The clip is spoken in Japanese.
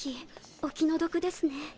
お気の毒ですね。